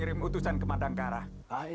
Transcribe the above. biarkan kita dari rumah ini